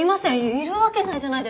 いるわけないじゃないですか。